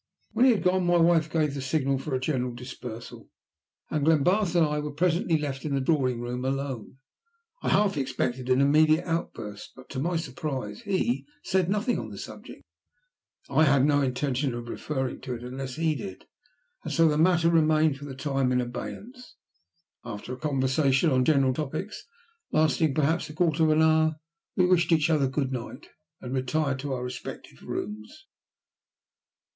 When he had gone, my wife gave the signal for a general dispersal, and Glenbarth and I were presently left in the drawing room alone. I half expected an immediate outburst, but to my surprise he said nothing on the subject. I had no intention of referring to it unless he did, and so the matter remained for the time in abeyance. After a conversation on general topics, lasting perhaps a quarter of an hour, we wished each other "good night," and retired to our respective rooms.